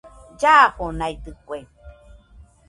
Llafonaidɨkue